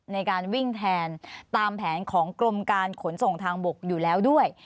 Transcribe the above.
ในการวิ่งแทนตามแผนของกรมการขนส่งทางบกอยู่แล้วด้วย